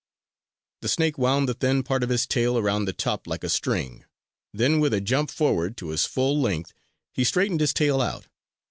The snake wound the thin part of his tail around the top like a string; then, with a jump forward to his full length, he straightened his tail out.